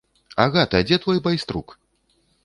Агата, дзе твой байструк?